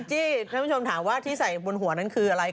กันจี้ชมชมถามว่าที่ใส่บนหัวนั้นคืออะไร